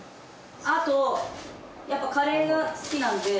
あとやっぱカレーが好きなんで。